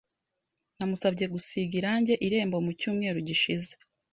Namusabye gusiga irangi irembo mu cyumweru gishize.